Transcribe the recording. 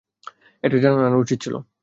একটা জার্নাল আনা উচিত ছিল।